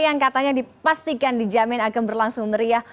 yang katanya dipastikan dijamin akan berlangsung meriah